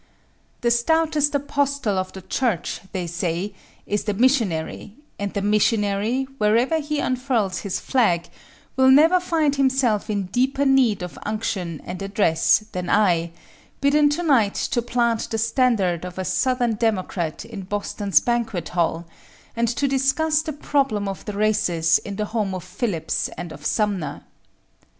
The stoutest apostle of the Church, they say, is the missionary, and the missionary, wherever he unfurls his flag, will never find himself in deeper need of unction and address than I, bidden tonight to plant the standard of a Southern Democrat in Boston's banquet hall, and to discuss the problem of the races in the home of Phillips and of Sumner.